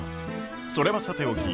それはさておき。